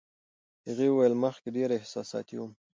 هغې وویل، مخکې ډېره احساساتي وم.